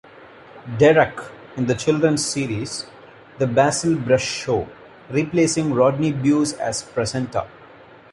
Derek' in the children's series "The Basil Brush Show", replacing Rodney Bewes as presenter.